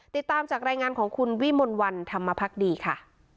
ติดตามจากรายงานของคุณวิมลวันธรรมพักดีค่ะ